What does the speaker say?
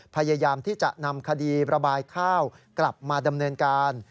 พยายามที่จะนำคดีระบายข้าวกลับมาดำเนินการ